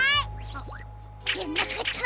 あっじゃなかった！